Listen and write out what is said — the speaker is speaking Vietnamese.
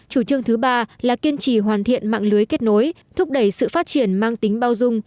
hai là kiên trì hoàn thiện mạng lưới kết nối thúc đẩy sự phát triển mang tính bao dung